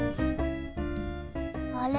あれ？